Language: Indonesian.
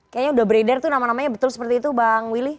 kayaknya udah beredar tuh nama namanya betul seperti itu bang willy